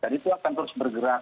jadi itu akan terus bergerak